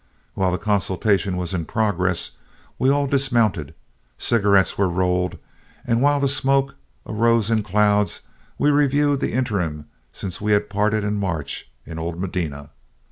While the consultation was in progress, we all dismounted; cigarettes were rolled, and while the smoke arose in clouds, we reviewed the interim since we parted in March in old Medina.